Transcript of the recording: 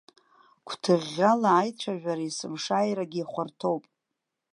Гәҭыӷьӷьала аицәажәара есымшааирагьы ихәарҭоуп.